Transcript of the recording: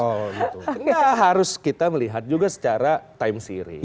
tapi ini juga harus kita melihat juga secara time series